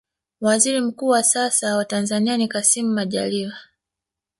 waziri mkuu wa sasa wa tanzania ni kassim majaliwa